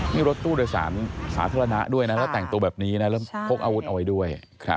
นี่รถตู้โดยสารสาธารณะด้วยนะแล้วแต่งตัวแบบนี้นะแล้วพกอาวุธเอาไว้ด้วย